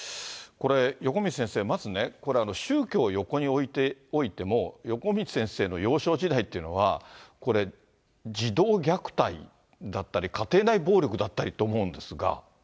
横道先生、まずね、宗教を横に置いておいても、横道先生の幼少時代というのは、これ、児童虐待だったり、家庭内暴力だったりって思うんですが。